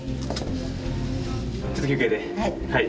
はい。